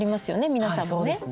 皆さんもね。